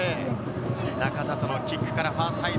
仲里のキックからファーサイド。